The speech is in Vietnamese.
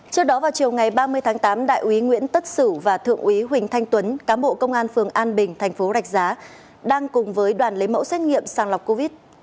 trước đó vào chiều ngày ba mươi tháng tám đại úy nguyễn tất sử và thượng úy huỳnh thanh tuấn cám bộ công an phường an bình thành phố rạch giá đang cùng với đoàn lấy mẫu xét nghiệm sàng lọc covid